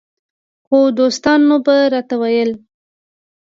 خو دوستانو به راته ویل